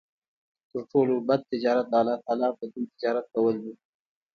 تر ټولو بَد تجارت د الله تعالی په دين تجارت کول دی